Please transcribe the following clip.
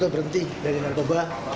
saya berhenti dari narkoba